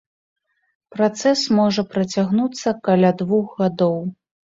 Працэс можа працягнуцца каля двух гадоў.